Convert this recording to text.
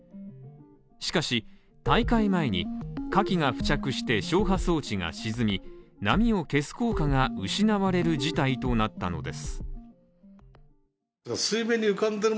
しかし大会前にカキが付着して消波装置が沈み波を消す効果が失われる事態となったのです